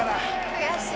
悔しい！